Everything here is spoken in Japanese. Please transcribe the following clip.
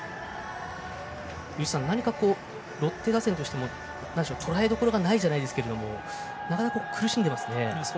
井口さん、ロッテ打線としてもとらえどころがないじゃないですけど苦しんでいますね。